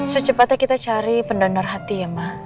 secepatnya kita cari pendonor hati ya mak